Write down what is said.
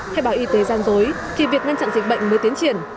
hay bảo y tế gian dối khi việc ngăn chặn dịch bệnh mới tiến triển